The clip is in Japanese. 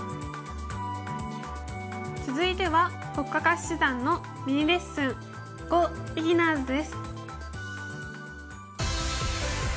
続いては黒嘉嘉七段のミニレッスン「ＧＯビギナーズ」です。